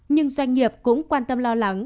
nhưng doanh nghiệp cũng quan tâm lo lắng